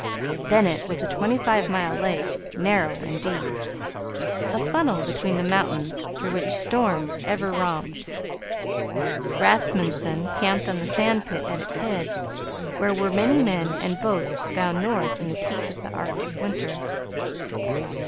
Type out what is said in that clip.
Bennett was a twenty five mile lake, narrow and deep, a funnel between the mountains through which storms ever romped. Rasmunsen camped on the sand pit at its head, where were many men and boats bound north in the teeth of the Arctic winter.